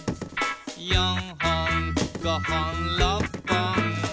「４ほん５ほん６ぽん」